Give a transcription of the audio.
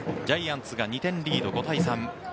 ジャイアンツが２点リードで５対３。